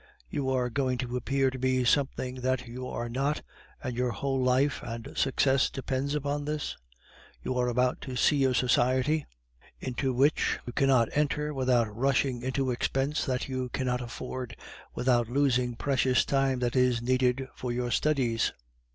You are going to appear to be something that you are not, and your whole life and success depends upon this? You are about to see a society into which you cannot enter without rushing into expense that you cannot afford, without losing precious time that is needed for your studies.